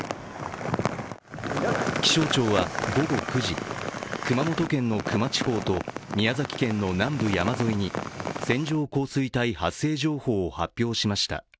気象庁は午後９時、熊本県の球磨地方と宮崎県の南部山沿いに線状降水帯発生情報を発表しました。